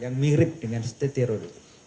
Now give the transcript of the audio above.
yang mirip dengan state terrorism